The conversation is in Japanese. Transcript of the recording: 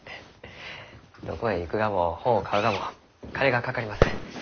どこへ行くがも本を買うがも金がかかります。